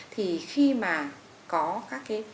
thì khi mà có các cái